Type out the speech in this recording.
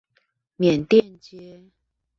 緬甸街